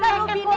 sama sama si trew